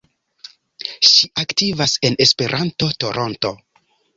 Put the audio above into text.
Ŝi aktivas en Esperanto-Toronto.